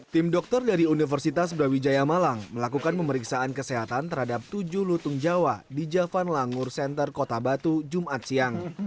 tim dokter dari universitas brawijaya malang melakukan pemeriksaan kesehatan terhadap tujuh lutung jawa di javan langur center kota batu jumat siang